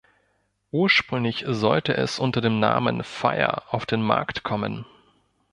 Ursprünglich sollte es unter dem Namen "Fire" auf den Markt kommen.